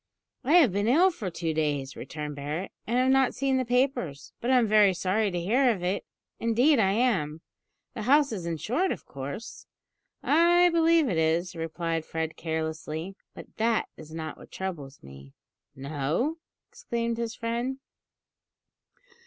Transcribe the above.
"I have been ill for two days," returned Barret, "and have not seen the papers; but I'm very sorry to hear of it; indeed I am. The house is insured, of course?" "I believe it is," replied Fred carelessly; "but that is not what troubles me." "No?" exclaimed his friend.